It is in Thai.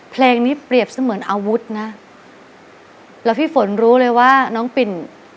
เพลงนี้เปรียบเสมือนอาวุธนะแล้วพี่ฝนรู้เลยว่าน้องปิ่น